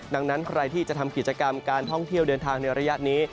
ดังนั้นใครที่จะทำกิจกรรมการท่องเที่ยวเดินทางในระยะนี้